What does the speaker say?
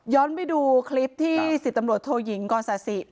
ย้อนไปดูคลิปที่สิทธิ์ตำรวจโทยิงก่อนสาธิต